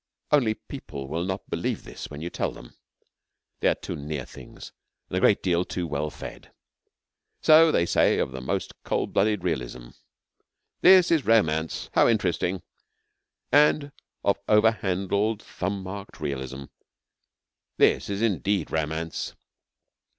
Only people will not believe this when you tell them. They are too near things and a great deal too well fed. So they say of the most cold blooded realism: 'This is romance. How interesting!' And of over handled, thumb marked realism: 'This is indeed romance!'